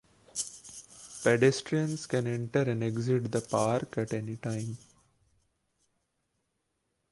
Pedestrians can enter and exit the park at any time.